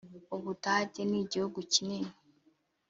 ubudage nigihugu kinini.